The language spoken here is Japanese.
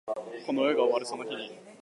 この世が終わるその日に